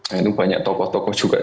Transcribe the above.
nah itu banyak tokoh tokoh juga